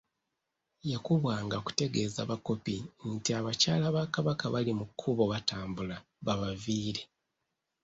Yakubwanga kutegeeza bakopi nti abakyala ba Kabaka bali mu kkubo batambula babaviire.